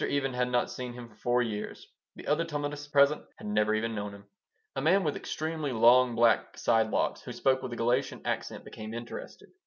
Even had not seen him for four years. The other Talmudists present had never even known him. A man with extremely long black side locks who spoke with a Galician accent became interested.